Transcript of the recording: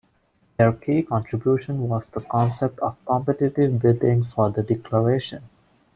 Their key contribution was the concept of competitive bidding for the declaration.